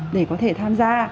để có thể tham gia